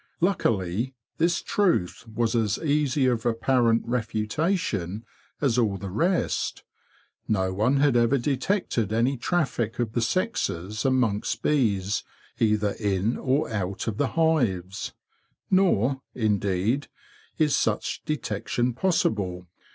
Luckily, this truth was as easy of apparent refutation as all the rest. No one had ever detected any traffic of the sexes amongst bees either in or out of the hives; nor, indeed, is such detection possible.